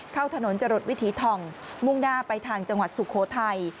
เข้าถนนจรดวิถีทองมุ่งหน้าไปทางจังหวัดสุโขทัย